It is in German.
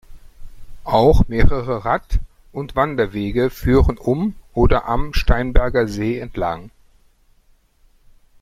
Auch mehrere Rad- und Wanderwege führen um oder am Steinberger See entlang.